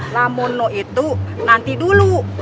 namun itu nanti dulu